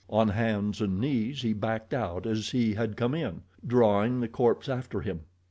On hands and knees he backed out as he had come in, drawing the corpse after him.